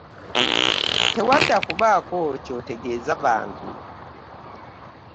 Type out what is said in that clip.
Tewadda kubaako ky'otegeeza bantu.